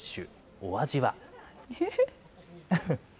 お味は？